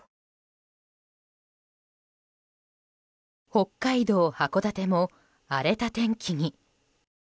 北海道函館も荒れた天気に。